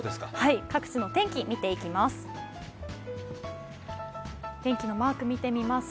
各地の天気見ていきます。